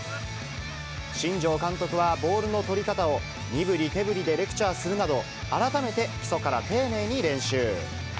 新庄監督はボールの捕り方を、身ぶり手ぶりでレクチャーするなど、改めて基礎から丁寧に練習。